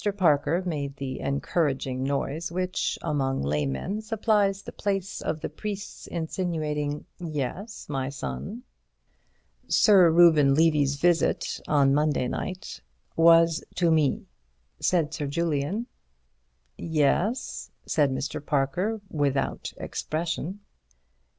Parker made the encouraging noise which, among laymen, supplies the place of the priest's insinuating, "Yes, my son?" "Sir Reuben Levy's visit on Monday night was to me," said Sir Julian. "Yes?" said Mr. Parker, without expression.